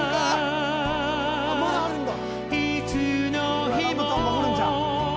まだあるんだ。